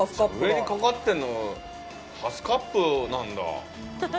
上にかかってるのハスカップなんだ。